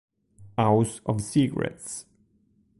House of Secrets